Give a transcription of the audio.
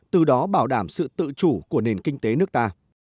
từ đó bảo đảm sự tự chủ của nền kinh tế nước ta